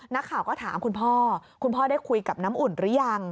นักข่าวก็ถามคุณพ่อคุณพ่อได้คุยกับน้ำอุ่นหรือยัง